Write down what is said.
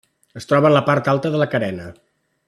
Es troba en la part alta de la carena.